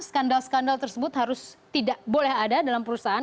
skandal skandal tersebut harus tidak boleh ada dalam perusahaan